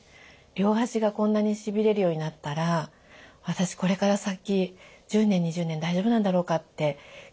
両足がこんなにしびれるようになったら私これから先１０年２０年大丈夫なんだろうかって